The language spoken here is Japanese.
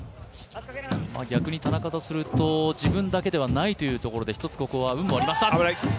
逆に田中とすると、自分だけではないというところでここは運もありますか。